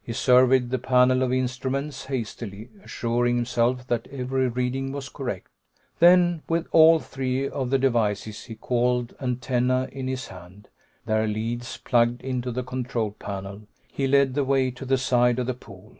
He surveyed the panel of instruments hastily, assuring himself that every reading was correct. Then, with all three of the devices he called antennae in his hand, their leads plugged into the control panel, he led the way to the side of the pool.